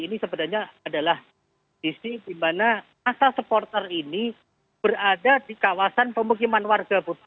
ini sebenarnya adalah visi dimana masa supporter ini berada di kawasan pemukiman warga